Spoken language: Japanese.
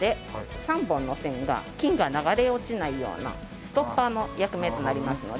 ３本の線が金が流れ落ちないようなストッパーの役目となりますので。